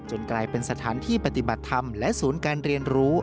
กลายเป็นสถานที่ปฏิบัติธรรมและศูนย์การเรียนรู้